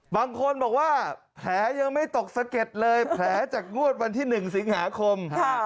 บางคนบอกว่าแผลยังไม่ตกสะเก็ดเลยแผลจากงวดวันที่๑สิงหาคม